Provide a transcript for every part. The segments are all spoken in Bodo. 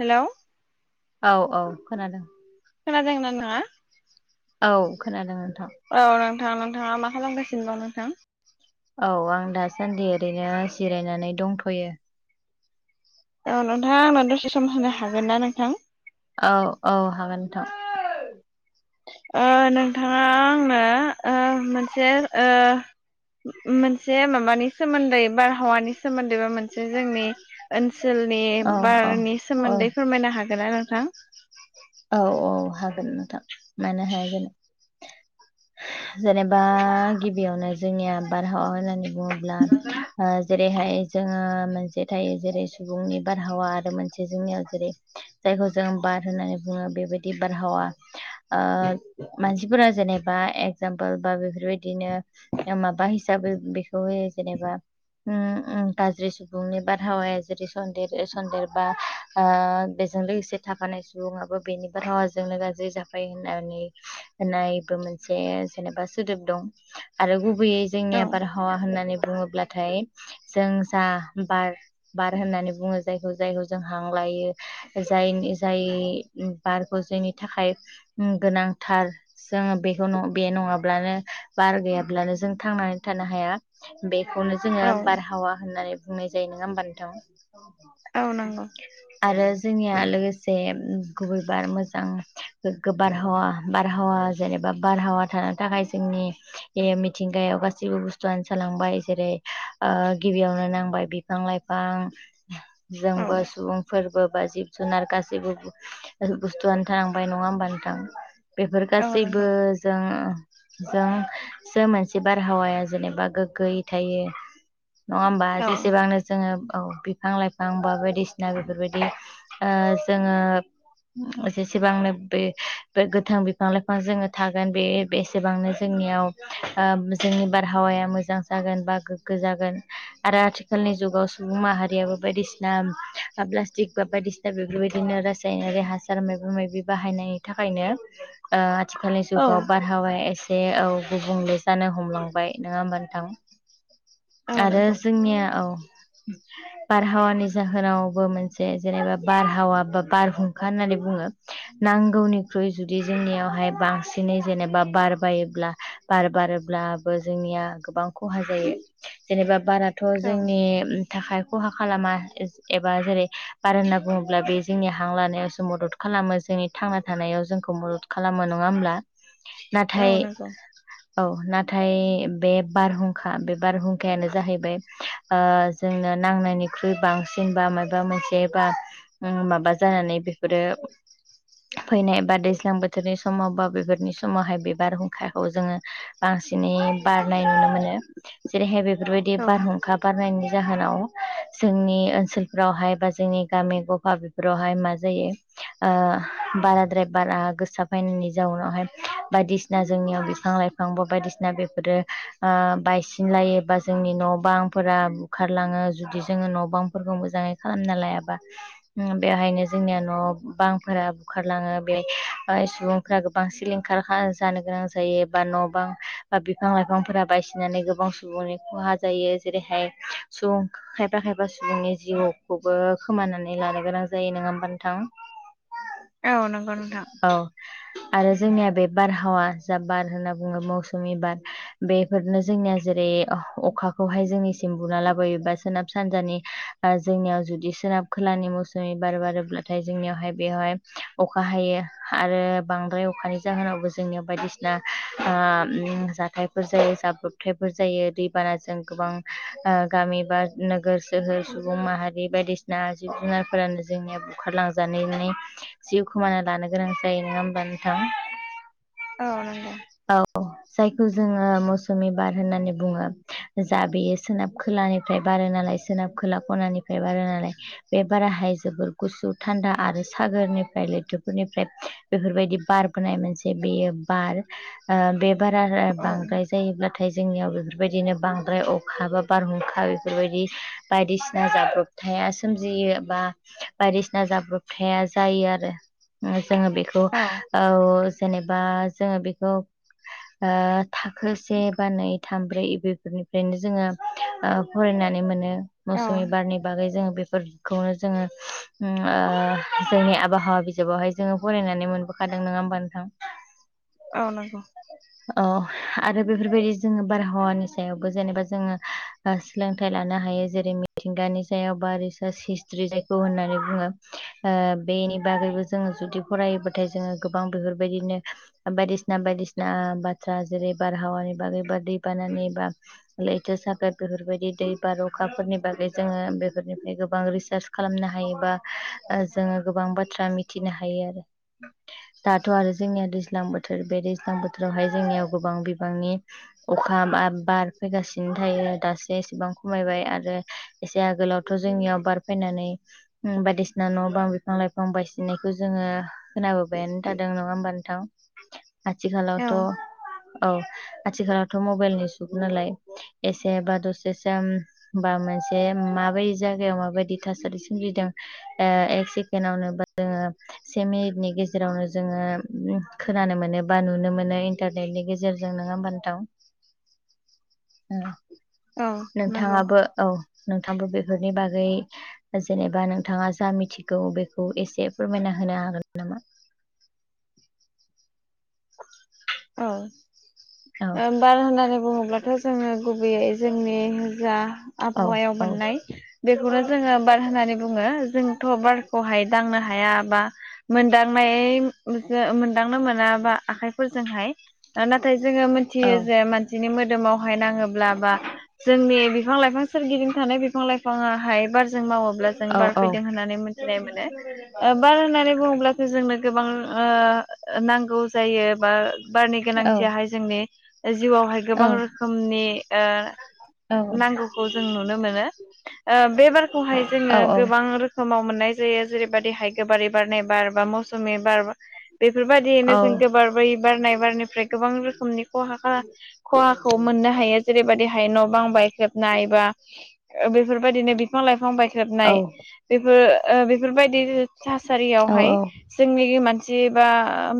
हेलौ औ औ खोनादों खोनादोंना नोथाङा? औ खोनादों नोंथां औ नोंथां नोंथाङा मा खालामगासिनो दं नोंथां? औ आं दासान्दि ओरैनो जिरायनानै दंथ'यो औ नोंथांङा आंनो दसे सम होनो हागोन ना नोंथां? औ औ हागोन नोंथां ओ नोंथाङा आंनो ओ मोनसे ओ मोनसे माबानि सोमोन्दै बारहावानि सोमोन्दै बा मोनसे से जोंनि ओनसोलनि औ औ बारनि औ सोमोन्दै फोरमायनो हागोनना नोंथां? औ औ हागोन नोंथां मानो हाया जानो जेनेबा गिबियावनो जोंनिया बारहावा होन्नानै बुङोब्ला ओ जेरैहाय जोङो मोनस से थायो जेरै सुबुंनि बारहावा आरो मोनसे जोंनियाव जेरै जायखौ जों बार होनानै बुङो बेबायदि बारहावा ओ मानसिफोरा जेनेबा एगजामपोल बा बेफोरबायदिनो ओ माबा बा हिसाबै बेखौ होयो जेनेबा उम [inaudible] गाज्रि सुबुंनि बारहावाया जेरै सन्देरो सन्देरबा ओ बेजों लोगोसे थाफानाय सुबुङा बेनि बारहावाजोंनो गाज्रि जाफायो होननानै होननायबो मोनसे जेनेबा सोदोब दं। आरो गुबैयै औ जोंनिया बारहावा होननानै बुंङोब्लाथाय जों जा बार बार होननानै बुंङो जायखौ जायखौ जों हां लायो जायनि जाय बारखौ जायनि थाखाय गोनांथार जोंङो बेखौ बे नंङाब्लानो बार गैयाब्लानो जों थांनानै थानो हाया। बेखौनो जोङो औ बारहावा होननानै बुंनाय जायो नोंङा होमबा नोंथां? औ नंगौ आरो जोंनिया लोगो से गुबैबार मोजां गोगो बारहावा बारहावा जेनेबा बारहावा थानान थाखाय जोंनि मिथिंगायाव गाैबो बुस्थुआनो जालांबाय जेरै उह गिबियावनो नांबाय बिफां लाइफां औ जोंबो सुबुंफोरबो बा जिब जुनार गसिबो हेल्प बुस्थुआनो थालांबाय नंङा होमबा नोथां बेफोर औ गासैबो नंगौ जों जोंसो मोनसे बारहावाया जेनेबा गोग्गोयै थायो। नंङा होमबा औ जेसेबांनो जोंङो औ बिफां लाइफां बा बायदिसिना बेफोरबायदि उह जोंङो जेसेबांनो बे गोथां बिफां लाइफां जोंङो थागोन बे बेसेबांनो जोंनियाव उह जोंनि बारहावाया मोजां जागोन बा गोग्गो जागोन। आरो आथिखालनि जुगाव सुबुं माहारियाबो बायदिसिना प्लास्टिक बा बायदिस दा बेफोरबायदिनो रासायनारि हा सार माइबा माइबि बाहायनायनि थाखायनो उह आथिखालनि औ जुगव बार हावाया एसे औ गुबुंले जानो हमलांबाय नोंङा होमबा नोंथां। औ आरो नंगौ जोंनिया औ। बारहावानि जाहोनावबो मोनसे जेनेबा बारहावा बा बारहुं खा होनानै बुंङो। नांगौनिख्रुइ जुदि जोंनियावहाय बांसिनै जेनेबा बारबारोब्ला बार बारोब्लाबो जोंनिया गोबां खहा जायो। जेनेबा बाराथ' औ जोंनि उम थाखाय खहा खालामा एबा जेरै बार होनना बुंङोब्ला बे जोंनि हां लानायाव ज' मदद खालामो जोंनि थांना थानायाव जोंखौ मदद खालामो नंङा होमब्ला? औ नाथाय नंगौ औ नाथाय बे बारहुंखा बे बारहुंखायानो जाहैबाय उह जोंनो नांनायनिख्रुइ बांसिन बा माइबा मोनसे बा उम माबा जानानै बेफोरो फैनाय बा दैज्लां बोथोरनि समाव बा बेबादिनि समावहाय बे बार हुंखाखौ जोंङो बांसिनै बारनाय नुनो मोनो जेरैहाय बेफोरबायदि औ बारहुंखा बारनायनि जाहोनाव जोंनि ओनसोलफ्रावहाय बा जोंनि गामि गफा बेफोरावहाय मा जायो उह बाराद्राय बारा गोसा फैनायनि जाहोनावहाय बायदिसिना जोंनियाव बिफां लाइ फांबो बायदिसिना बेफोरो उह बायसिन लायो बा जोंनि न' बांफोरा बुखारलाङों जुदि जोंङो न' बांफोरखौ मोजाङैय खालामना लायाबा। उम बेहायनो जोंनिया न' बांफोरा बुखारलाङो बेहाय सुबुंफोरा गोबां सिलिंखारखा जानो गोनां जायो। बा न' बां बा बिफां लाइफांफोरा बायसिनानै गोबां सुबुंनि खहा जायो जेरैहाय सुबुं खायफा खायफा सुबुंनि जिउखौबो खोमानानै लानो गोनां जायो नोंङा होमबा नोंथां। औ नोंगौ नोंथां। औ आरो जोंनिया बे बारहावा जा बार होनना बुंङो मौसुमि बार बेफोरनो जोंनिया जेरै अखाखौहाय जोंनिसिम बुना लाबयो बा सोनाब सानजानि बा जोंनियाव जुदि सोनाब खोलानि मुसुमि बार बारोब्लाथ थाय जोंनियावहाय बेवहाय अखा हायो आरो बांद्राय अखानि जाहोनावबो जोंनियाव बायदिस ना उह उम जाथायफोर जायो जाब्रबथायफोर जायो दैबानाजों गोबां ओ गामि बा नोगोर सोहोर सुबुं माहारि बायदिसिना जिब जुनारफोरानो जोंनिया बुखारलांजानानै जिउ खोमाना लानो गोनां जायो नोङा होमबा नोंथां। औ नंगौ औ जायखौ जोङो मौसुमि बार होननानै बुङो। जा बेयो सोनाब खोलानिफ्राय बारो नालाय सोनाब खोला खनानिफ्राय बारो नालाय बे बाराहाय जोबोर गुसु थान्दा आरो सागोरनिफ्राय लैथोफोरनिफ्राय बेफोरबायदि बारबोनाय मोनसे बेयो बार ओ बे बारा औ बांद्राय जायोब्लाथाय जोंनियाव बेफोरबायदिनो बांद्राय अ खा बा बारहुंखा बेफोरबायदि बायदिसिना जाब्रबथाया सोमजियो बा बायदिसिना जाब्रबथाया जायो आरो जोङो बेखौ औ जेनेबा जोङो बेखौ ओ थाखो से बा नै थाम ब्रै इ बेफोरनिफ्रायनो जोङो ओ फरिनानै मोनो औ मौसुमि बारनि बागै जोङो बेफोरखौनो जोङो ओ जोंनि आबहावा बिजाबावहाय जोङो फरायनानै मोनबोखादों नङा होमबा नोंथां। औ नंगौ। औ आरो बेफोरबायदि जोङो बारहावानि सायावबो जेनेबा जोङो ओ सोलोंथायाइ लानो हायो जेरै मिथिंगानि जायाव बा रिसार्च हिस्ट्रि जायखौ होननानै बुङो। ओ बेनि बागैबो जोङो जुदि फरायोबाथाय जोङो गोबां बेफोरबायदिनो बायदिसिना बायदिसिना बाथ्रा जेरै बारहावानि बागै एबा दै बानानि बा लैथो साखा बेफोरबायदि दै बार'खाफोरनि बागै जोङो बेफोरनिफ्राय गोबां रिसार्च खालामनो हायोबा जोङो गोबां बाथ्रा मिथिनो हायो आरो। दाथ' आरो जोंनिया दैज्लां बोथोर बे दैज्लां बोथोरावहाय जोंनियाव गोबां बिबांनि अखा बार फैगासिनो थायो दासो एसेबां खमायबाय आरो एसे आगोलावथ' जोंनियाव बार फैनानै बायदिसिना न' बां बिफां लाइफां बायसिननायखौ जोङो खोनाबोबायानो थादों नङा होमबा नोंथां औ आथिखालावथ' औ आथिखालावथ' मबाइलनि जुग नालाय एसेबा दसे सिम होमबा मोनसे माबायदि जायगायाव माबायदि थासारि सोमजिदों ओ एक सेकेण्डआवनो बा जोङो से मिनिटनि गेजेरावनो जोङो खोनानो मोनो बा नुनो मोनो इन्टारनेटनि गेजेरजों नङा होनबा नोंथां। [inaudible] ओ औ नंगौ नोंथाङाबो औ नोंथांबो बेफोरनि बागै जेनेबा नो नोंथाङा जा मिथिगौ बेखौ एसे फोरमायना होनो हागोन नामा? औ औ बार होननानै बुङोब्लाथ' जोङो गुबैयै जोंनि जा औ आबहावायाव औ मोननाय बेखौनो जोङो बार होननानै बुङो। जोंथ' बारखौहाय दांनो हाया बा मोनदांनाय इदिनो मोनदांनो मोनाबा आखाइफोरजोंहाय। नाथाय जोङो औ मिथियो जे मानसिनि मोदोमावहाय नाङोब्ला बा जोंनि बिफां लाइफां सोरगिदिं थानाय बिफां लाइफाङा हाय बार जों मावोब्ला जों औ बार औ फैदों होननानै मिथिनाय मोनो। बार होननानै बुङोब्ला जोंनो गोबां ओ नांगौ जायो बा बारनि औ गोनांथियाहाय जोंनि जिउआवहाय गोबां रोखोमनि ओ औ नांगौखौ जों नुनो मोनो। ओ बे बारखौहाय जोङो औ गोबां रो खोमाव मोननाय जायो जेरैबायदिहाय गोबारै बारनाय बार, बा मौसुमि बार औ बेफोरबायदियैनो जों औ गोबार बै बारनाय बारनिफ्राय गोबां रोखोमनि खहाखा खहाखौ मोननो हायो जेरैबायदिहाय न' बां बायख्रेबनाय बा ओ बेफोरबायदिनो बिफां लाइफां औ बायख्रेरनाय बेफोर ओ बेफोरबायदि औ थासारियावहाय औ जोंनि मानसि बा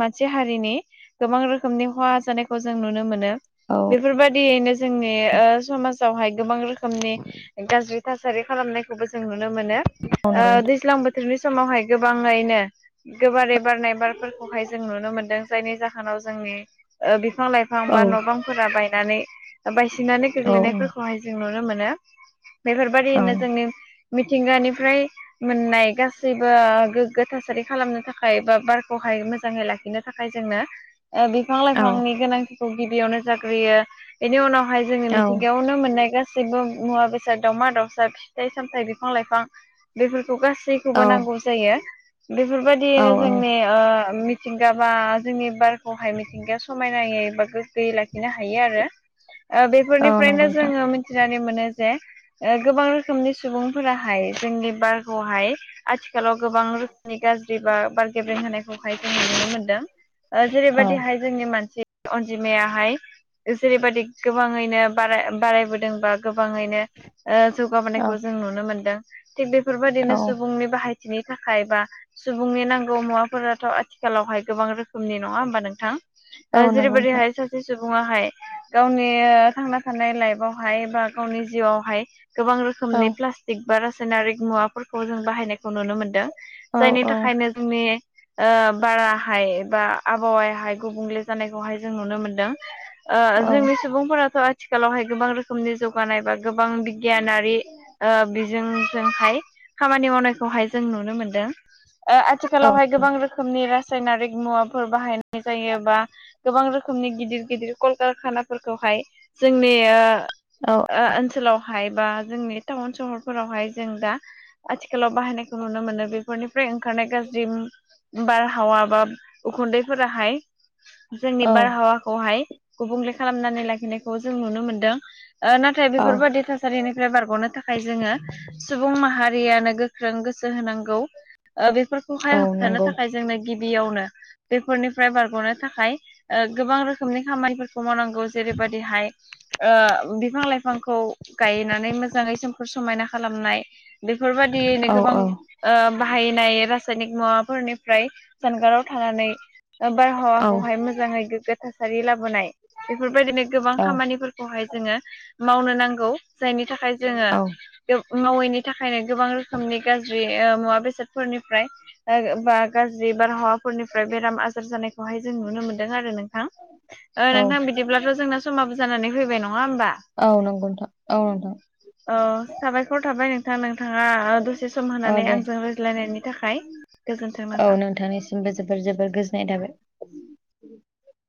मानसि हारिनि गोबां रोखोमनि खहा जानाय खौ जों नुनो मोनो। औ। बेफोरबायदियैनो जोंनि ओ समाजावहाय गोबां रोखोमनि गाज्रि थासारि खालामनायखौबो जों नुनो मोनो औ ओ नंगौ दैज्लां बोथोरनि समावहाय गोबाङैनो गोबारै बारनाय बारफोरखौहाय जों नुनो मोनदों जायनि जाहोनाव जोंनि ओ बिफां लाइफां औ बा न'बांफोरा बायनानै बायसिननानै औ गोग्लैनायफोरखौहाय जों नुनो मोनो औ बेफोरबायदिनो जोंनि मिथिंगानिफ्राय मोननाय गासैबो गोग्गो थासारि खालामनो थाखाय बा बारखौहाय मोजाङै लाखिनो थाखाय जोंनो ओ बिफां औ लाइफांनि गोनांथिखौ गिबियावनो जाग्रोयो बेनि उनावहाय जोङो मिथिंगायावनो मोननाय गासैबो मुवा बेसाद दाउमा दाउसा फिथाइ सामथाइ बिफां लाइफां बेफोरखौ गासै खौबो औ नांगौ जायो औ बेफोरबायदियैनो औ जोंनि ओ मिथिंगाबा जोंनि बारखौहाय मिथिंगा स जायो एबा गोग्गोयै लाखिनो हायो आरो ओ औ बेफोरनिफ्रायनो नंगौ नोंथां जोङो थिनानै मोनो जे ओ गोबां रोखोमनि सुबुंफोराहाय जोंनि बारखौहाय आथिखालाव गोबां रोखोमनि गाज्रि [unintelligible] बार गेब्रं होनायखौहाय जोङो नुनो मोनदों ओ औ जेरैबायदिहाय जोंनि जि अनजिमायाहाय जेरैबायदि गोबाङैनो बाराय बारायबोदोंबा गोबाङैनो ओ औ जौगाबोनायखौ जों नुनो मोनदों थिग बेफोरबायदिनो औ सुबुंनि बाहायथिनि थाखाय बा सुबुंनि नांगौ मुवाफोराथ' आथिखालावहाय गोबां रोखोमनि नङा होमबा नोंथां। औ ओ नंगौ नोंथां जेरैबोरैहाय सासे सुबुङाहाय गावनि थांना थानाय लाइफआवहाय बा गावनि जिउआवहाय गोबां रो औ खोमनि प्लास्टिक बा रासायनारिक मुवाफोरखौ जों बाहायनायखौ नुनो मोनदों औ जायनि थाखायनो जोंनि ओ बाराहाय बा आबहावायाहाय गुबुंले जानायखौहाय जों नुनो मोनदों ओ औ जोंनि सुबुंफोराथ' थिखालावहाय गोबां रोखोमनि जौगानाय बा गोबां बिगियानारि ओ बिजोंजोंहाय खामानि [unintelligible] मावनायखौहाय जों नुनो मोनदों ओ आथिखालावहाय गोबां रोखोमनि रासायनारिक मुवा फोर बाहायनाय जायोबा गोबां रोखोमनि गिदिर गिदिर कल कारखानाफोरखौहाय जोंनि ओ औ। ओ ओनसोलावहाय बा जोंनि टाउन सहरफोरावहाय जों दा आथिखालाव बाहायनायखौ नुनो मोनो बेफोरनिफ्राय ओंखारनाय गाज्रि बारहावा बा उखुन्दैफोराहाय जोंनि औ बारहावाखौहाय गुबुंले खालामनानै लाखिनायखौ जों नुनो मोनदों ओ थाय औ बेफोरबायदि थासारिनिफ्राय बारग'नो थाखाय जोङो सुबुं माहारियानो गोख्रों गोसो होनांगौ ओ बेफोरखौहाय औ होबथानो नंगौ थाखाय जोंनो गिबियावनो बेफोरनिफ्राय बारग'नो थाखाय ओ गोबां रोखोमनि खामानिफोरखौ मावनांगौ। खौ जेरैबायदिहाय ओ बिफां लाइफांखौ गायनानै मोजाङै सोमखोर समायना खालामनाय। बेफोरबायदियैनो औ गोबां औ ओ बाहायनाय रासायनिक मुवाफोरनिफ्राय जानगाराव थानानै बारहावा औ बेवहाय मोजाङै गोग्गो थासारि लाबोनाय बेफोरबायदिनो गोबां औ खामानि खौहाय जोङो मावनो नांगौ जायनि थाखाय जोङो [unintelligible] मावैनि थाखायनो गोबां रोखोमनि गाज्रि ओ मुवा बेसादफोरनिफ्राय [unintelligible] बा गाज्रि बारहावाफोरनिफ्राय बेराम आजार जानायखौहाय जों नुनो मोन्दों आरो नोंथां ओ औ नोंथां बिदिब्लाथ' जोंना समाबो जानानै फैबाय नङा होमबा। औ नंगौ नोंथां औ नोंथां। औ साबायखर थाबाय नों नोंथां नोंथाङा दसे सम औ होनानै दे आंजों रायज्लायनायनि थाखाय गोजोन्थों नोंथां। जोबोर जोबोर जोबोर गोजोननाय थाबाय।